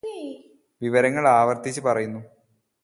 വിവരങ്ങള് ആവർത്തിച്ച് പറയുന്നു